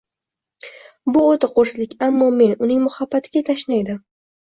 Bu o`ta qo`rslik, ammo men uning muhabbatiga tashna edim